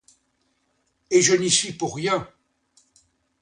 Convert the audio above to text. Et je n'y suis pour rien!